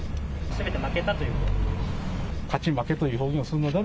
すべて負けたということですか？